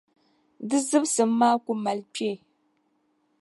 di zibisim maa ku mali kpee.